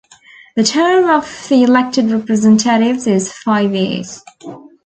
The term of the elected representatives is five years.